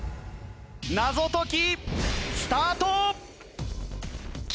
謎解きスタート！